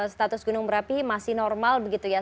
status gunung berapi masih normal begitu ya